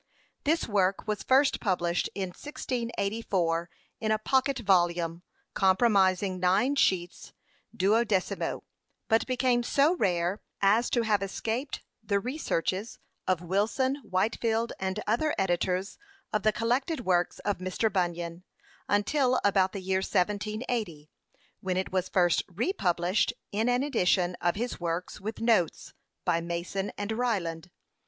This work was first published in 1684, in a pocket volume, comprising nine sheets duodecimo; but became so rare, as to have escaped the researches of Wilson, Whitefield, and other editors of the collected works of Mr. Bunyan, until about the year 1780, when it was first re published in an edition of his works, with notes, by Mason and Ryland.